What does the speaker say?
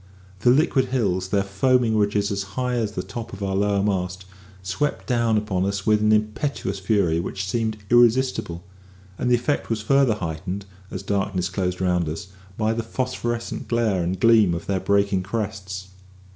The liquid hills, their foaming ridges as high as the top of our lower mast, swept down upon us with an impetuous fury which seemed irresistible; and the effect was further heightened, as darkness closed around us, by the phosphorescent glare and gleam of their breaking crests.